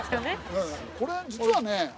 これ実はね